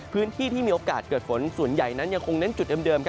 พื้นที่ที่มีโอกาสเกิดฝนส่วนใหญ่นั้นยังคงเน้นจุดเดิม